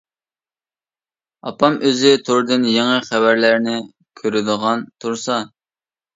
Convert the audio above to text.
ئاپام ئۆزى توردىن يېڭى خەۋەرلەرنى كۆرىدىغان تۇرسا.